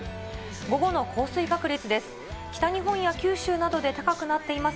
午後の降水確率です。